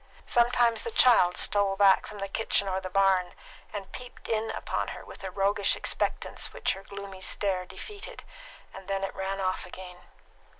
Sometimes the child stole back from the kitchen or the barn, and peeped in upon her with a roguish expectance which her gloomy stare defeated, and then it ran off again.